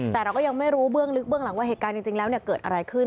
แต่เราก็ยังไม่รู้เบื้องลึกเบื้องหลังว่าเหตุการณ์จริงแล้วเกิดอะไรขึ้น